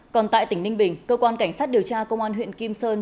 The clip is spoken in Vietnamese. còn tại tỉnh ninh bình cơ quan cảnh sát điều tra công an huyện kim sơn